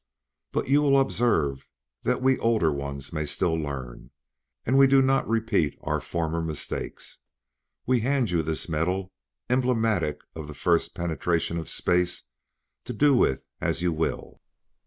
"But you will observe that we older ones may still learn, and we do not repeat our former mistake. We hand you this medal, emblematic of the first penetration of space, to do with as you will."